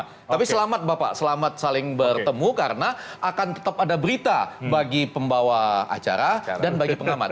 tapi selamat bapak selamat saling bertemu karena akan tetap ada berita bagi pembawa acara dan bagi pengamat